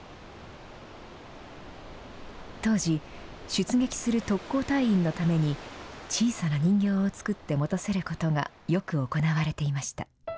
当時、出撃する特攻隊員のために、小さな人形を作って持たせることがよく行われていました。